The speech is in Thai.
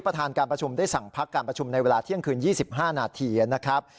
ประธานการประชุมได้สั่งพักการประชุมในเวลาเที่ยงคืน๒๕นาทีนะครับ